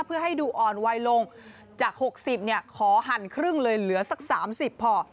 เพื่อให้ดูอ่อนไวลงจาก๖๐เนี่ยขอหั่นครึ่งเลยเหลือสัก๓๐พอ